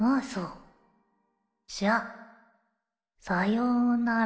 じゃさようなら。